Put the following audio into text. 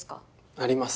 あります。